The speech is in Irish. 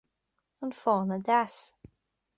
An fáinne deas